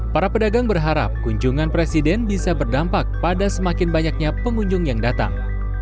para pedagang berharap kunjungan presiden bisa berdampak pada semakin banyaknya pengunjung yang datang